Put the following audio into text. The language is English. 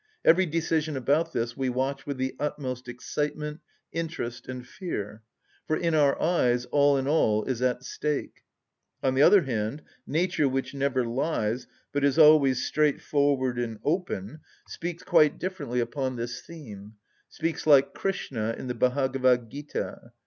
Every decision about this we watch with the utmost excitement, interest, and fear; for in our eyes all in all is at stake. On the other hand, nature, which never lies, but is always straightforward and open, speaks quite differently upon this theme, speaks like Krishna in the Bhagavadgita.